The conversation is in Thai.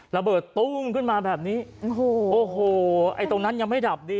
ระเบิดตุ้งขึ้นมาแบบนี้โอ้โหโอ้โหไอ้ตรงนั้นยังไม่ดับดี